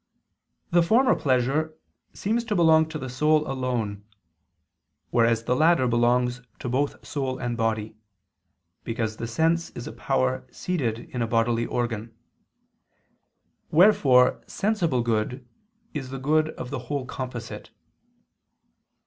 The former pleasure seems to belong to soul alone: whereas the latter belongs to both soul and body: because the sense is a power seated in a bodily organ: wherefore sensible good is the good of the whole composite.